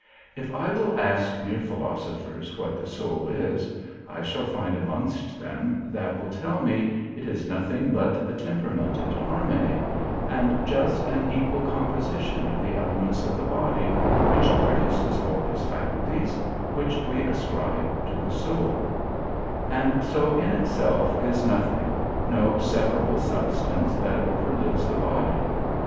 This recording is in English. If I will ask mere philosophers what the soul is, I shall find amongst them that will tell me, it is nothing but the temperament and harmony, and just and equal composition of the elements in the body, which produces all those faculties which we ascribe to the soul; and so in itself is nothing, no separable substance that overlives the body.